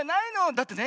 だってね